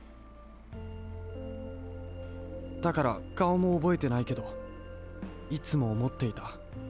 だからかおもおぼえてないけどいつもおもっていた。